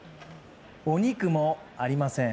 お肉もありません。